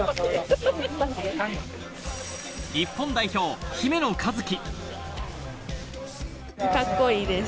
日本代表・姫野和樹。